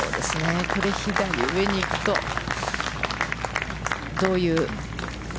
これ左上に行くと、どういう。